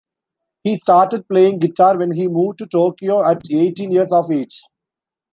He started playing guitar when he moved to Tokyo at eighteen years of age.